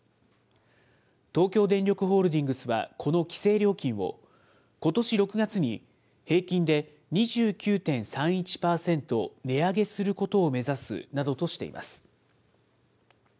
東京電力ホールディングスは、この規制料金をことし６月に平均で２９．３１％値上げすることを目指すなどとしています。